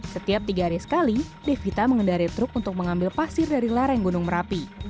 setiap tiga hari sekali devita mengendari truk untuk mengambil pasir dari lereng gunung merapi